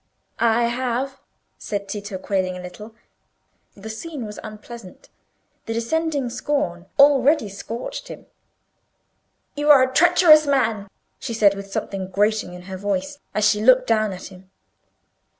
"I have," said Tito, quailing a little. The scene was unpleasant—the descending scorn already scorched him. "You are a treacherous man!" she said, with something grating in her voice, as she looked down at him.